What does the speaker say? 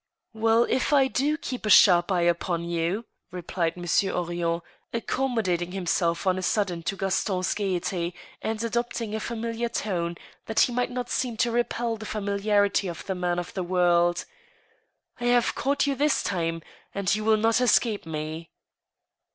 " Well— if I do keep a sharp eye upon you," replied Monsieur 52 THE STEEL HAMMEk. Henrion, accommodating himself on a sudden to Gaston's gayety, and adopting a familiar tone, that he might not seem to repel the familiarity of the man of the world, I have caught you this time, and you will not escape me.